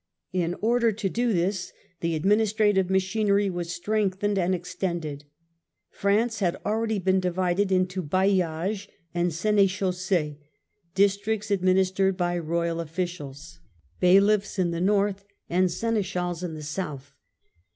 In order to do this the administrative machinery was strengthened and ex tended. France had already been divided into bailliages Local and s6ie'chaussSes, districts administered by royal officials, bailiffs in the North and seneschals in the South.